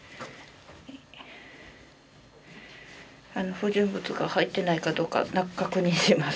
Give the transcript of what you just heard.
不純物が入ってないかどうか確認します。